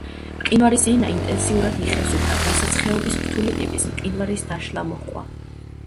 მყინვარის ენა ინტენსიურად იხევს უკან, რასაც ხეობის რთული ტიპის მყინვარის დაშლა მოჰყვა.